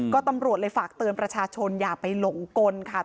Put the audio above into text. ก็ตำรวจเลยฝากเตือนประชาชนอย่าไปหลงกลค่ะ